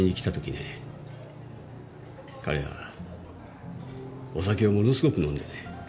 彼はお酒をものすごく飲んでね。